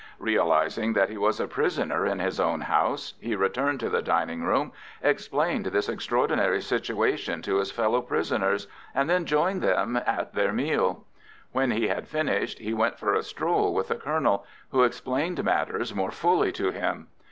Realising that he was a prisoner in his own house, he returned to the dining room, explained this extraordinary situation to his fellow prisoners, and then joined them at their meal. When he had finished he went for a stroll with the colonel, who explained matters more fully to him.